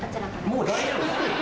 もう大丈夫ですよ